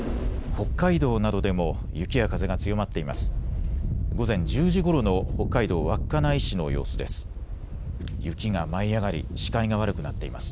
北海道などでも雪や風が強まっています。